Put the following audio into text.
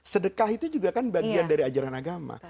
sedekah itu juga kan bagian dari ajaran agama